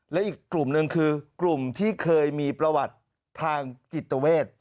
และอีกกลุ่มหนึ่งคือกลุ่มที่เคยมีประวัติทางจิตเวท